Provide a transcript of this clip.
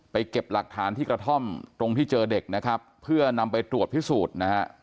เก็บหลักฐานที่กระท่อมตรงที่เจอเด็กนะครับเพื่อนำไปตรวจพิสูจน์นะฮะ